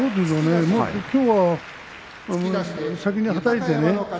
きょうは先にはたいてね